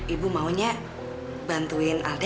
ibu maunya bantuin alda